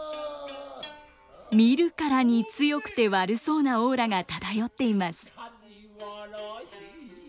見るからに強くて悪そうなオーラが漂っています。